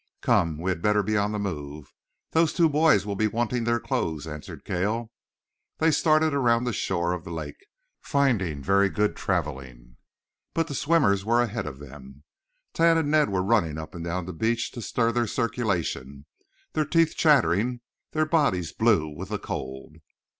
"Come, we had better be on the move. Those two boys will be wanting their clothes," answered Cale. They started around the shore of the lake, finding very good traveling. But the swimmers were ahead of them. Tad and Ned were running up and down the beach to stir their circulation, their teeth chattering, their bodies blue with the cold.